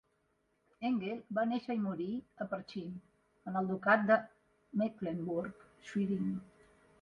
Engel va néixer i morir a Parchim, en el ducat de Mecklenburg-Schwerin.